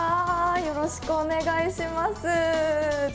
よろしくお願いします。